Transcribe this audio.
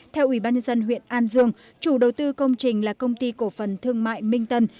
theo ubnd huyện an dương chủ đầu tư công trình là công ty cổ phần thương mại minh tân